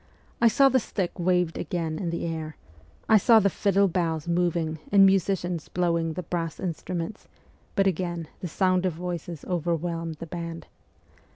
I saw the stick waved again in the air ; I saw the fiddle bows moving and musicians blowing the brass instruments, but again the sound of voices overwhelmed the band.